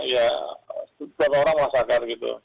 ya setiap orang merasakan gitu